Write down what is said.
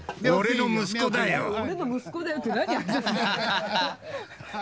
俺の息子だよ。